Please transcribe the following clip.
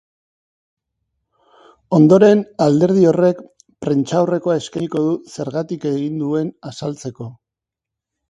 Ondoren, alderdi horrek prentsaurrekoa eskainiko du zergatik egin duen azaltzeko.